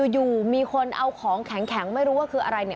อยู่มีคนเอาของแข็งไม่รู้ว่าคืออะไรเนี่ย